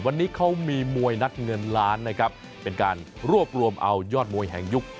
วันนี้เขามีมวยนักเงินล้านนะครับเป็นการรวบรวมเอายอดมวยแห่งยุค